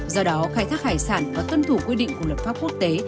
do đó khai thác hải sản và tuân thủ quy định của luật pháp quốc tế